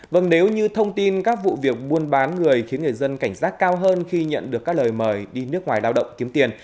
vâng nếu như thông tin các vụ việc buôn bán người khiến người dân cảnh giác cao hơn khi nhận được các lời mời đi nước ngoài lao động kiếm tiền